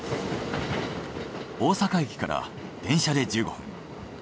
大阪駅から電車で１５分。